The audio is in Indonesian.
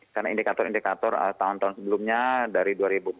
karena indikator indikator tahun tahun sebelumnya dari dua ribu empat belas dua ribu lima belas